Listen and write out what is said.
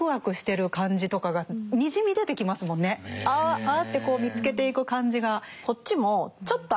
あ！ってこう見つけていく感じが。